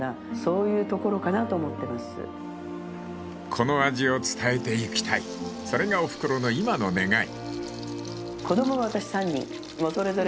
［この味を伝えてゆきたいそれがおふくろの今の願い］